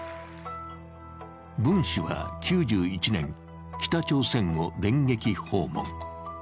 文氏は９２年、北朝鮮を電撃訪問。